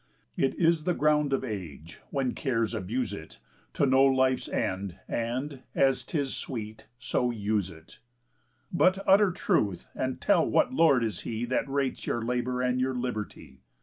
It is the ground of age, when cares abuse it, To know life's end, and, as 'tis sweet, so use it. "But utter truth, and tell what lord is he That rates your labour and your liberty?